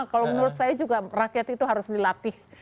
kalau menurut saya juga rakyat itu harus dilatih